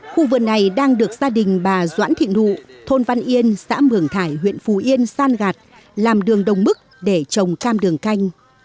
khu vườn này đang được gia đình bà doãn thị nụ thôn văn yên xã mường thải huyện phù yên san gạt làm đường đồng mức để trồng cam đường canh